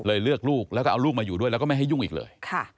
เลือกลูกแล้วก็เอาลูกมาอยู่ด้วยแล้วก็ไม่ให้ยุ่งอีกเลย